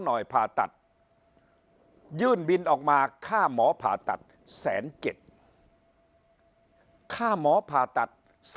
ผ่าตัดยื่นบินออกมาค่าหมอผ่าตัด๑๗๐๐ค่าหมอผ่าตัด